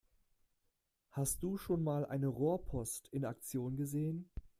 Hast du schon mal eine Rohrpost in Aktion gesehen?